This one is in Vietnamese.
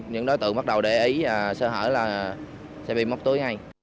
những đối tượng bắt đầu để ý sơ hở là xe buýt móc túi ngay